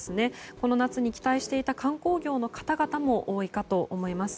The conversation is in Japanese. この夏に期待していた観光業の方々も多いと思います。